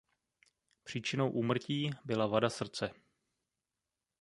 Příčinou úmrtí byla "vada srdce".